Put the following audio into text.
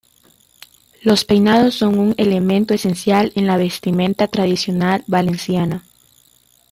Los peinados son un elemento esencial en la vestimenta tradicional valenciana.